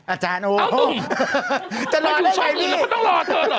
อาจารย์โอ้โห